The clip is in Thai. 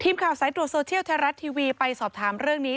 ทีมข่าวสายตรวจโซเชียลไทยรัฐทีวีไปสอบถามเรื่องนี้